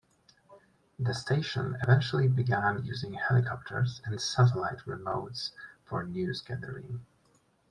The station eventually began using helicopters and satellite remotes for newsgathering.